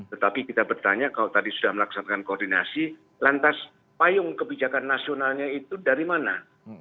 tetapi kita bertanya kalau tadi sudah melaksanakan koordinasi lantas payung kebijakan nasionalnya itu dari mana